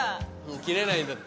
切れないんだって。